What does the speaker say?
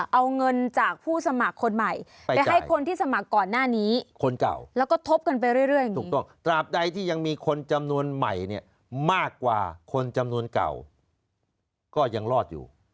เอาเงินจากผู้สมัครคนใหม่ไปให้คนที่สมัครก่อนหน้านี้คนเก่าแล้วก็ทบกันไปเรื่อยถูกต้องตราบใดที่ยังมีคนจำนวนใหม่เนี่ยมากกว่าคนจำนวนเก่าก็ยังรอดอยู่